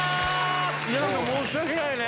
何か申し訳ないね